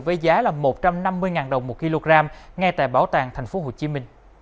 với giá là một trăm năm mươi đồng một kg ngay tại bảo tàng tp hcm